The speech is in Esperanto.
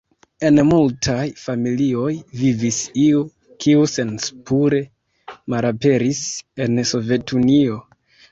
En multaj familioj vivis iu, kiu senspure malaperis en Sovetunio.